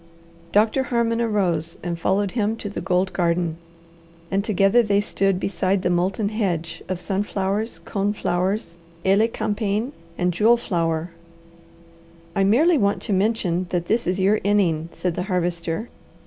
Doctor Harmon arose and followed him to the gold garden, and together they stood beside the molten hedge of sunflowers, coneflowers, elecampane, and jewel flower. "I merely want to mention that this is your inning," said the Harvester.